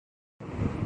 ٹیلی conferencing م